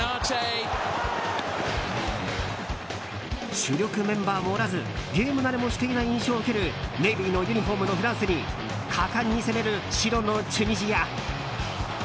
主力メンバーもおらずゲーム慣れもしていない印象を受けるネイビーのユニホームのフランスに果敢に攻める白のチュニジア。